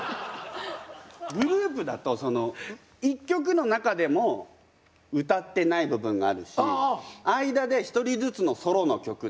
グループだと一曲の中でも歌ってない部分があるし間で一人ずつのソロの曲だったり。